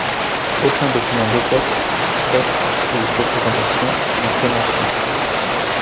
Aucun document d'époque texte ou représentation n'en fait mention.